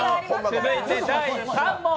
続いて第３問。